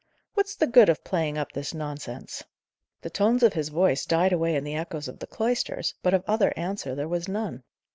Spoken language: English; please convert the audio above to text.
"What's the good of playing up this nonsense?" The tones of his voice died away in the echoes of the cloisters, but of other answer there was none.